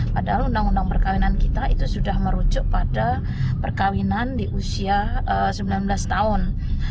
padahal undang undang perkawinan kita itu sudah merujuk pada perkawinan di usia sembilan belas tahun